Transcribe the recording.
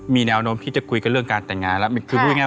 มีแนวโน้มที่คุยกับการแต่งงานล่ะ